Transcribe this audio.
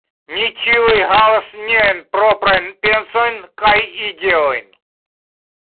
Ni ĉiuj havas niajn proprajn pensojn kaj ideojn.